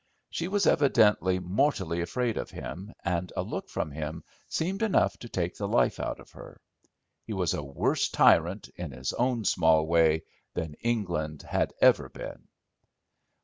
She was evidently mortally afraid of him, and a look from him seemed enough to take the life out of her. He was a worse tyrant, in his own small way, than England had ever been.